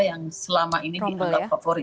yang selama ini dianggap favorit